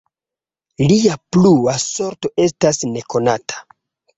Lia plua sorto estas nekonata.